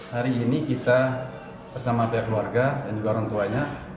hari ini kita bersama pihak keluarga dan juga orang tuanya